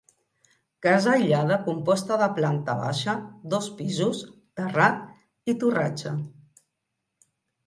Casa aïllada composta de planta baixa, dos pisos, terrat i torratxa.